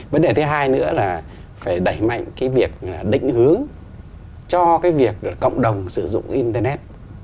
vấn đề thứ hai nữa là phải đẩy mạnh cái việc định hướng cho cái việc cộng đồng sử dụng internet